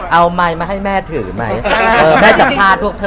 เอาไมค์มาให้แม่ถือไหมแม่จะพลาดพวกเธอ